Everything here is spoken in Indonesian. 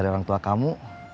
dik dipanggil teh kinasi